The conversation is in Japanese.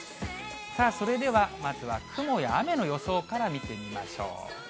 さあ、それではまずは雲や雨の予想から見てみましょう。